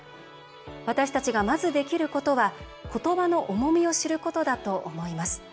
私たちが、まず、できることは言葉の重みを知ることだと思います。